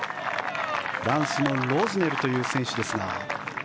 フランスのロズネルという選手ですが。